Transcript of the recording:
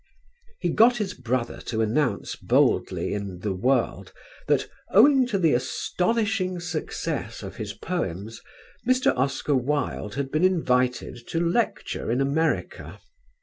He got his brother to announce boldly in The World that owing to the "astonishing success of his 'Poems' Mr. Oscar Wilde had been invited to lecture in America."